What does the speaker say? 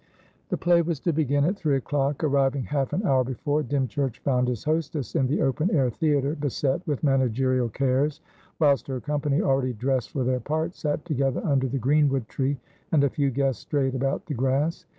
The play was to begin at three o'clock. Arriving half an hour before, Dymchurch found his hostess in the open air theatre, beset with managerial cares, whilst her company, already dressed for their parts, sat together under the greenwood tree, and a few guests strayed about the grass.